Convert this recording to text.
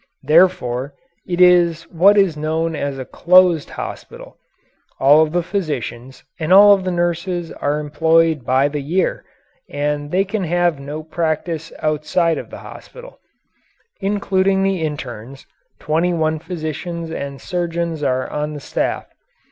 Therefore, it is what is known as a "closed" hospital. All of the physicians and all of the nurses are employed by the year and they can have no practice outside of the hospital. Including the interns, twenty one physicians and surgeons are on the staff.